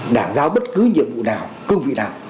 đảng giao bất cứ nhiệm vụ nào cương vị nào